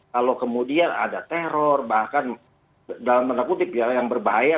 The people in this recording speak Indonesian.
kalau kemudian ada teror bahkan dalam menakuti piala yang berbahaya